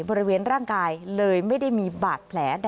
บริเวณร่างกายเลยไม่ได้มีบาดแผล